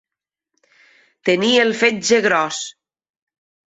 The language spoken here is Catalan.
Tenir el fetge gros.